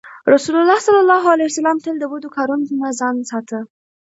رسول الله ﷺ تل د بدو کارونو نه ځان ساته.